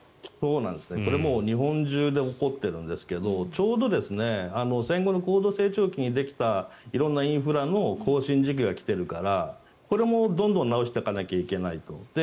これ、もう日本中で起こってるんですけどちょうど戦後の高度成長期にできた色んなインフラの更新時期が来てるからこれもどんどん直していかなきゃいけないと。